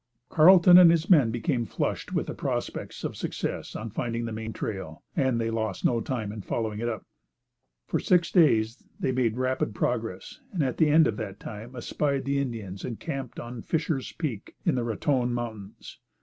Carleton and his men became flushed with the prospects of success on finding the main trail, and they lost no time in following it up. For six days they made rapid progress, and at the end of that time espied the Indians encamped on "Fisher's Peak" in the Raton Mountains.